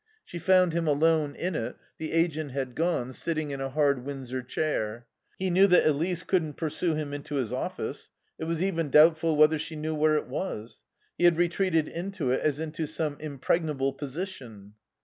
She found him alone in it (the agent had gone), sitting in a hard Windsor chair. He knew that Elise couldn't pursue him into his office; it was even doubtful whether she knew where it was. He had retreated into it as into some impregnable position.